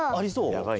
やばい！